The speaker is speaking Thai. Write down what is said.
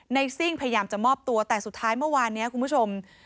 ซิ่งพยายามจะมอบตัวแต่สุดท้ายเมื่อวานนี้คุณผู้ชม